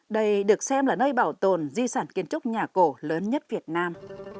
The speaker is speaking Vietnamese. đây được xem là nơi bảo tồn di sản kiến trúc nhà cổ lớn nhất việt nam